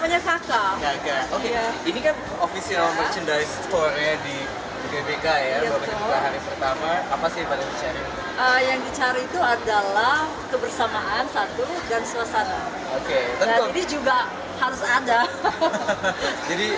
notasi apa yang paling dipercayai di official store merchandise asean games ini